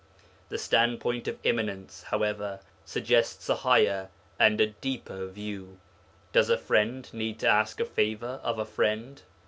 The standpoint of Immanence, however, suggests a higher and a deeper view. Does a friend need to ask a favour of a friend?